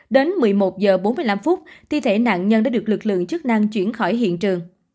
đến một mươi một h bốn mươi năm thi thể nạn nhân đã được lực lượng chức năng chuyển khỏi hiện trường